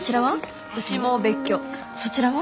そちらは？